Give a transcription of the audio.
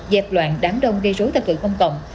dẹp loạn đám đông gây rối tật tự công cộng